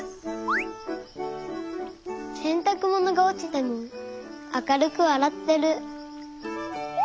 せんたくものがおちてもあかるくわらってる。